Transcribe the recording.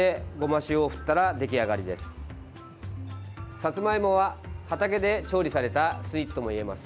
さつまいもは畑で調理されたスイーツともいえます。